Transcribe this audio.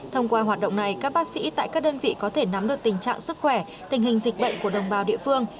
thông qua hoạt động này các bác sĩ tại các đơn vị có thể nắm được tình trạng sức khỏe tình hình dịch bệnh của đồng bào địa phương